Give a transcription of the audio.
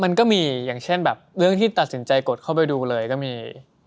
มันก็มีอย่างเช่นเรื่องที่คะแสนไกดดเข้าไปดูเลยก็มี